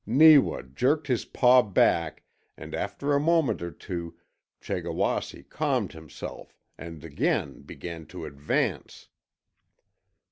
Neewa jerked his paw back and after a moment or two Chegawasse calmed himself and again began to ADVANCE!